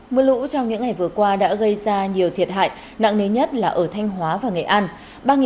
mưa lũ trong những ngày vừa qua đã gây ra nhiều thiệt hại nặng nế nhất là ở thanh hóa và nghệ an